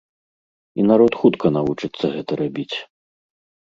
І народ хутка навучыцца гэта рабіць.